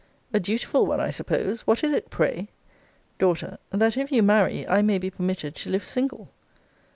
A dutiful one, I suppose. What is it, pray? D. That if you marry, I may be permitted to live single.